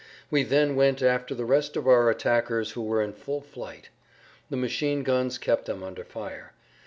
We then went after the rest of our attackers who were in full flight. The machine guns kept them under fire.